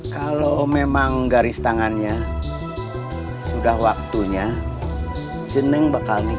kalau memang garis tangannya sudah waktunya jening bakal nikah